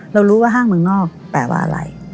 เรารู้ว่าห้างเมืองนอกแปลว่าอะไร